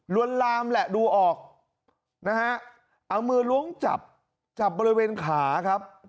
วนลามแหละดูออกนะฮะเอามือล้วงจับจับบริเวณขาครับ